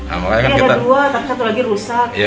ini ada dua tapi satu lagi rusak